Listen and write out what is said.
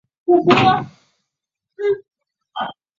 墓群内有浮雕和线刻。